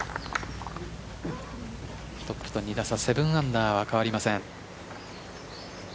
トップと２打差７アンダーは変わりません。